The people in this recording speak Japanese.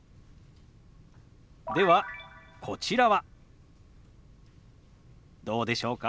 ではこちらはどうでしょうか？